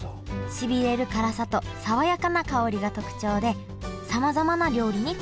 しびれる辛さと爽やかな香りが特徴でさまざまな料理に使われてきました